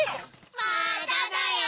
まだだよ！